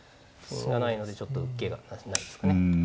金がないのでちょっと受けがないですかね。